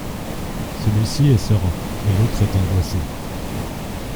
Celui-ci est serein et l’autre est angoissé.